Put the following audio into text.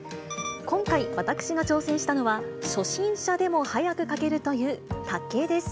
今回、私が挑戦したのは、初心者でも早く描けるという竹です。